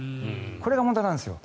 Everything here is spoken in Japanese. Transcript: これが問題なんですよ。